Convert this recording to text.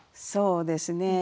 そうですね